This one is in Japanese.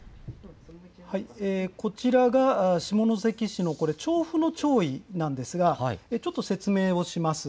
こちらが下関市の長府の潮位なんですが、ちょっと説明をします。